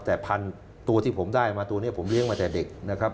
แต่พันตัวที่ผมได้มาตัวนี้ผมเลี้ยงมาแต่เด็กนะครับ